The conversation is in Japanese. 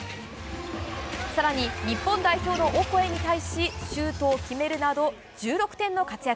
更に、日本代表のオコエに対しシュートを決めるなど１６点の活躍。